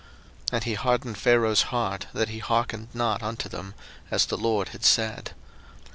02:007:013 And he hardened Pharaoh's heart, that he hearkened not unto them; as the LORD had said.